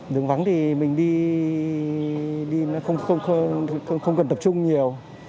đường vắng thì mình đi nó không cần tập trung nhiều